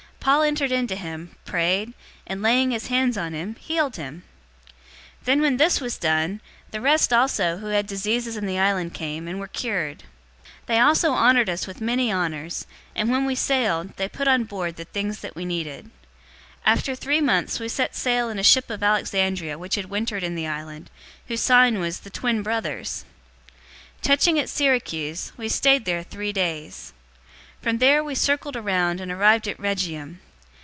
Paul entered in to him, prayed, and laying his hands on him, healed him. 028:009 Then when this was done, the rest also who had diseases in the island came, and were cured. 028:010 They also honored us with many honors, and when we sailed, they put on board the things that we needed. 028:011 After three months, we set sail in a ship of Alexandria which had wintered in the island, whose sign was "The Twin Brothers." 028:012 Touching at Syracuse, we stayed there three days. 028:013 From there we circled around and arrived at Rhegium.